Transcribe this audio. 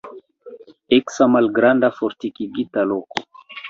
Eksa malgranda fortikigita loko.